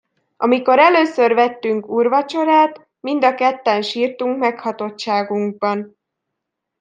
Amikor először vettünk úrvacsorát, mind a ketten sírtunk meghatottságunkban.